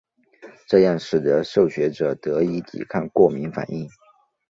这样使得受血者得以抵抗过敏反应。